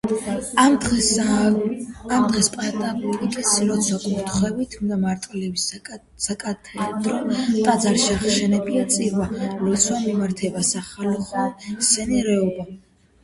ამ დღეს პატრიარქის ლოცვა-კურთხევით მარტვილის საკათედრო ტაძარში აღევლინება წირვა-ლოცვა იმართება სახალხო სეირნობა.